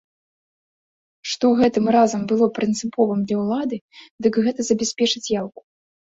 Што гэтым разам было прынцыповым для ўлады, дык гэта забяспечыць яўку.